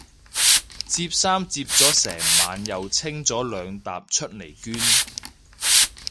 摺衫摺咗成晚又清多兩疊出嚟捐